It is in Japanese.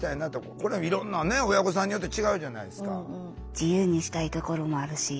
これはいろんなね親御さんによって違うじゃないですか。